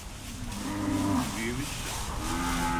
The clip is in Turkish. Büyümüşsün.